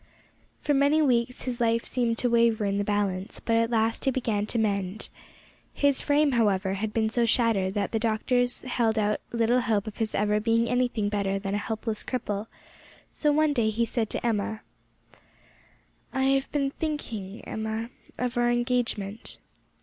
For many weeks his life seemed to waver in the balance, but at last he began to mend. His frame, however, had been so shattered that the doctors held out little hope of his ever being anything better than a helpless cripple, so, one day, he said to Emma: "I have been thinking, Emma, of our engagement."